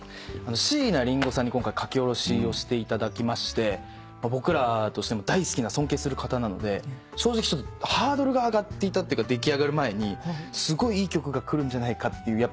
椎名林檎さんに今回書き下ろしをしていただきまして僕らとしても大好きな尊敬する方なので正直ハードルが上がっていたっていうか出来上がる前にすごいいい曲がくるんじゃないかハードル上がるじゃないっすか。